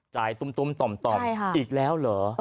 จ่ายตุ้มตุ้มต่อมต่อมใช่ค่ะอีกแล้วเหรอเออ